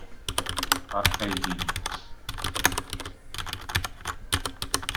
Park Hae-jin